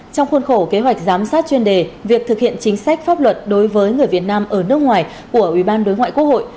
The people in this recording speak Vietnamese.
trong khuôn khổ kế hoạch giám sát chuyên đề việc thực hiện chính sách pháp luật đối với người việt nam ở nước ngoài của ủy ban đối ngoại quốc hội